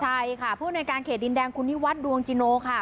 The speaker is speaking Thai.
ใช่ค่ะผู้ในการเขตดินแดงคุณนิวัฒน์ดวงจิโนค่ะ